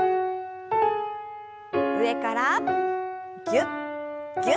上からぎゅっぎゅっと。